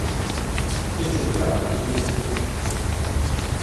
Ekyo kyokka kye kimuluma.